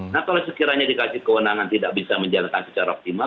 nah kalau sekiranya dikasih kewenangan tidak bisa menjalankan secara optimal